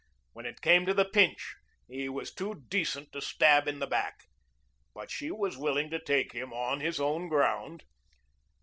When it came to the pinch, he was too decent to stab in the back. But she was willing to take him on his own ground.